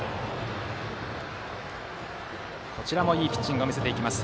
こちらもいいピッチングを見せていきます。